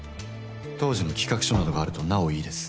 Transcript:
当時の企画書などがあるとなおいいです」。